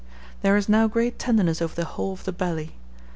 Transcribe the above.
There is now great tenderness over the whole of the belly.